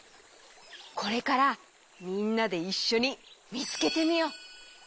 これからみんなでいっしょにみつけてみよう！